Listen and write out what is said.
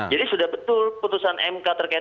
jadi sudah betul putusan mk terkait